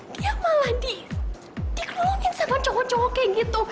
dia malah dikelulungin sama cowok cowok kayak gitu